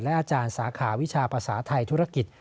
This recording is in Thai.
อาจารย์สาขาวิชาภาษาไทยธุรกิจ